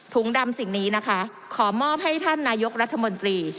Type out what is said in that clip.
ดำสิ่งนี้นะคะขอมอบให้ท่านนายกรัฐมนตรี